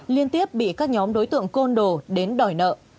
liên tiếp bị các nhóm đối tượng côn đồ đến đòi nợ